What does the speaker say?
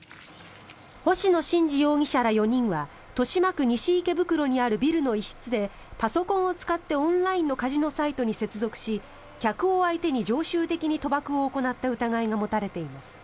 星野伸司容疑者ら４人は豊島区西池袋にあるビルの一室でパソコンを使って、オンラインのカジノサイトに接続し客を相手に常習的に賭博を行った疑いが持たれています。